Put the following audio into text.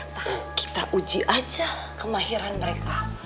tak kita uji aja kemahiran mereka